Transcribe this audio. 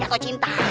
yang kau cinta